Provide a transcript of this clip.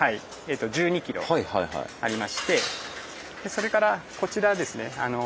それからこちらはですね